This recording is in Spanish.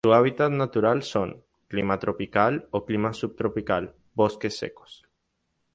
Su hábitat natural son: clima tropical o Clima subtropical, bosques secos.